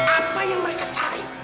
apa yang mereka cari